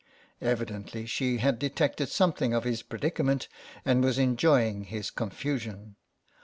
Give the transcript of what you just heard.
Evidently she had detected something of his predicament, and was enjoying his con fusion.